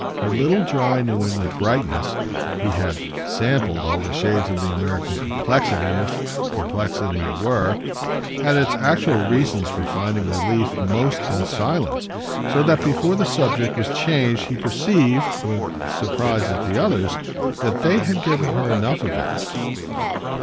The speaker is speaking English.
Her little dry New England brightness he had "sampled" all the shades of the American complexity, if complexity it were had its actual reasons for finding relief most in silence; so that before the subject was changed he perceived (with surprise at the others) that they had given her enough of it.